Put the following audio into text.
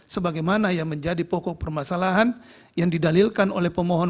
sebagaimana yang menjadi pokok permasalahan yang didalilkan oleh pemohon